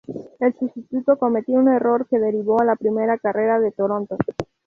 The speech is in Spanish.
El sustituto cometió un error que derivó en la primera carrera de Toronto.